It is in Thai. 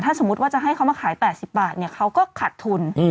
ถ้าสมมติว่าจะให้เขามาขายแปดสิบบาทเนี่ยเขาก็ขัดทุนอืม